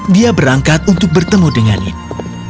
dia berangkat untuk bertemu dengan ibu